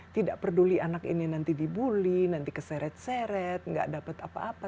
tidak peduli anak ini nanti dibully nanti keseret seret nggak dapat apa apa